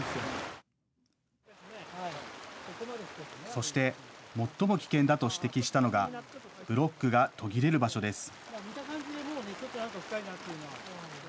そして最も危険だと指摘したのがブロックが途切れる場所です。